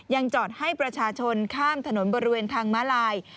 ยังจอดให้ประชาชนข้ามถนนบริเวณทางม้าลาย